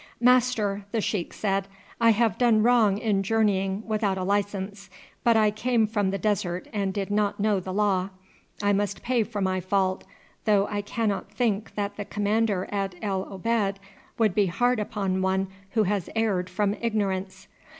"Master," the sheik said, "I have done wrong in journeying without a license, but I came from the desert and did not know the law. I must pay for my fault, though I cannot think that the commander at El Obeid would be hard upon one who has erred from ignorance.